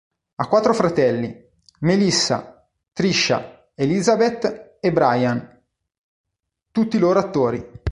Ha quattro fratelli, Melissa, Trisha, Elizabeth e Brian, tutti loro attori.